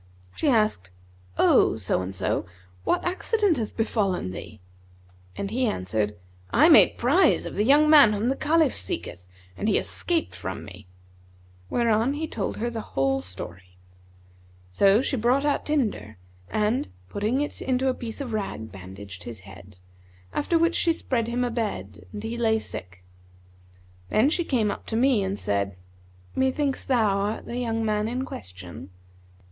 She asked, 'O so and so, what accident hath befallen thee?'; and he answered, 'I made prize of the young man whom the Caliph seeketh and he escaped from me;' whereupon he told her the whole story. So she brought out tinder[FN#155] and, putting it into a piece of rag bandaged his head; after which she spread him a bed and he lay sick. Then she came up to me and said, 'Methinks thou art the man in question?'